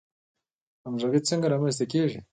همغږي څنګه رامنځته کیږي؟